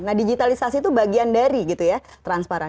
nah digitalisasi itu bagian dari gitu ya transparan